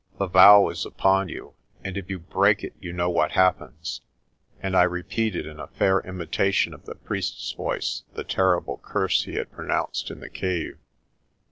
The vow is upon you, and if you break it you know what happens." And I repeated, in a fair imitation of the priest's voice, the terrible curse he had pronounced in the cave.